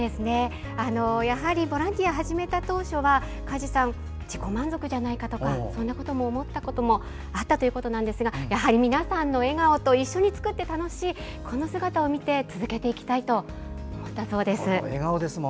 やはりボランティアを始めた当初は梶さん、自己満足じゃないかとかそんなことを思ったこともあったということなんですがやはり皆さんの笑顔と一緒に作って楽しいこの姿を見て続けていきたいと思ったそうです。